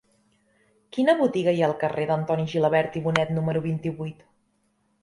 Quina botiga hi ha al carrer d'Antoni Gilabert i Bonet número vint-i-vuit?